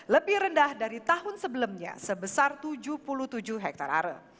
lebih rendah dari tahun sebelumnya sebesar tujuh puluh tujuh hektare are